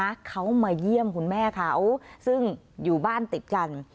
เขามาเยี่ยมคุณแม่เขาซึ่งอยู่บ้านติดกัน